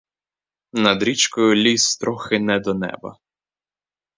Над річкою ліс трохи не до неба.